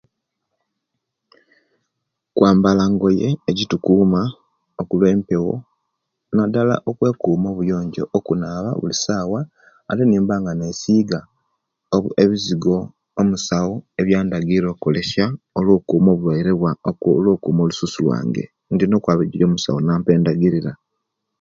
Kwambala engoye ejitukuuma olwempewo naddala ekwekuuma obuyonjo okunaba buli sawa ate nimbanga nesiga ebizigo omusawo ebyandagire olwe kuuma obulwaire olwe kuuma olususu lwange ndina okwaba eje musawo nampa endagirira